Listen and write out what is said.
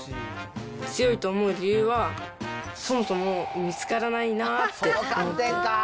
強いと思う理由は、そもそも見つからないなって思って。